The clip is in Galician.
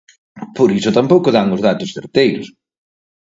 Por iso tampouco dan os datos certeiros.